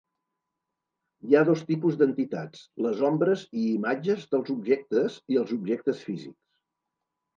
Hi ha dos tipus d'entitats: les ombres i imatges dels objectes, i els objectes físics.